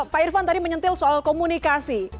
pak irvan tadi menyentil soal komunikasi